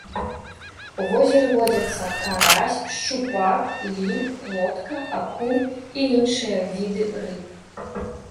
У возеры водзяцца карась, шчупак, лінь, плотка, акунь і іншыя віды рыб.